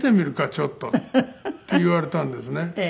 ちょっと」って言われたんですね。